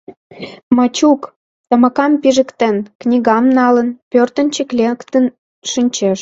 Мачук, тамакам пижыктен, книгам налын, пӧртӧнчык лектын шинчеш.